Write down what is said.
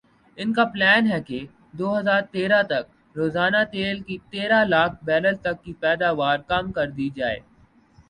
ان کا پلان ھے کہ دو ہزار تیرہ تک روزانہ تیل کی تیرہ لاکھ بیرل تک کی پیداوار کم کر دی جائے